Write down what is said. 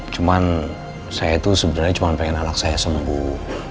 cuman saya itu sebenernya cuman pengen anak saya sembuh